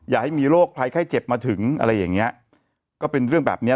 อย่าให้มีโรคภัยไข้เจ็บมาถึงอะไรอย่างเงี้ยก็เป็นเรื่องแบบเนี้ย